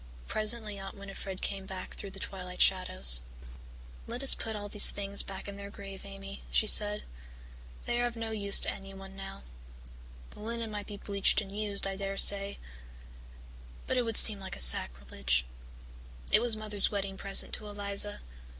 Presently Aunt Winnifred came back through the twilight shadows. "Let us put all these things back in their grave, Amy," she said. "They are of no use to anyone now. The linen might be bleached and used, I dare say but it would seem like a sacrilege. It was Mother's wedding present to Eliza.